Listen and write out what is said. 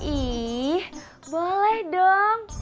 ih boleh dong